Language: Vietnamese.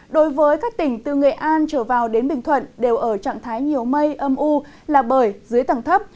đối với các tỉnh từ nghệ an trở vào đến bình thuận đều ở trạng thái nhiều mây âm u là bởi dưới tầng thấp